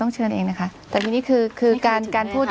ต้องเชิญเองนะคะแต่ทีนี้คือการพูด